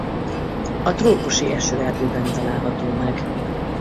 A trópusi esőerdőben található meg.